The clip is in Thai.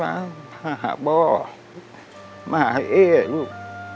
มาหาพ่อมาหาเอ๊ลูก